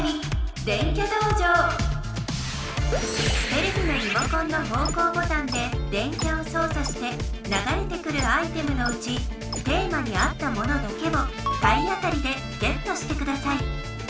テレビのリモコンの方向ボタンで電キャを操作してながれてくるアイテムのうちテーマに合ったものだけを体当たりでゲットしてください。